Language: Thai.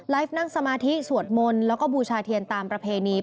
นั่งสมาธิสวดมนต์แล้วก็บูชาเทียนตามประเพณี